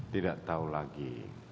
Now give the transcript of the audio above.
tidak tahu lagi